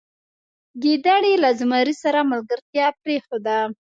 ګیدړې له زمري سره ملګرتیا پریښوده.